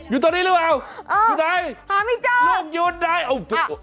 อยู่ตรงนี้หรือเปล่าอยู่ไหนลูกอยู่ไหนหามิเจอร์